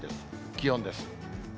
気温です。